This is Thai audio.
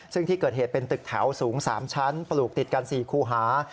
ซึ่งที่เกิดเหตุเป็นตึกแถวสูง๓ชั้นปลูกติดกัน๔คูหา